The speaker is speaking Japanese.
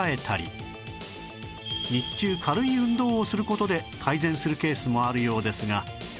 日中軽い運動をする事で改善するケースもあるようですが